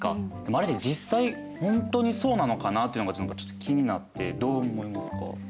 まるで実際本当にそうなのかなっていうのがちょっと気になってどう思いますか？